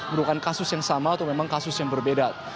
merupakan kasus yang sama atau memang kasus yang berbeda